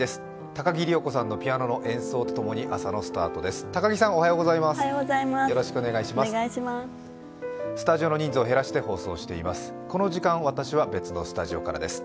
高木里代子さんのピアノの演奏とともに朝のスタートです。